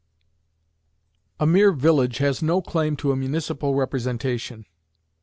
A mere village has no claim to a municipal representation.